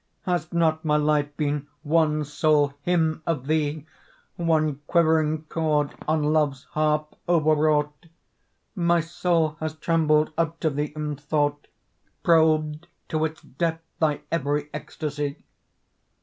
Has not my life been one sole hymn of thee, One quivering chord on Love's harp overwrought? My soul has trembled up to thee in thought, Probed to its depth thy every ecstasy.